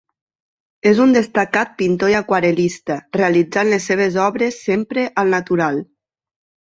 És un destacat pintor i aquarel·lista, realitzant les seves obres sempre al natural.